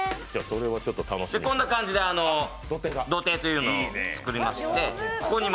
こんな感じで土手というのを作りまして。